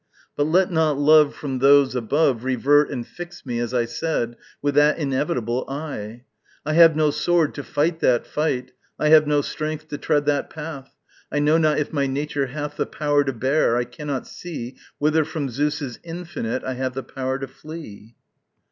But let not love from those above Revert and fix me, as I said, With that inevitable Eye! I have no sword to fight that fight, I have no strength to tread that path, I know not if my nature hath The power to bear, I cannot see Whither from Zeus's infinite I have the power to flee.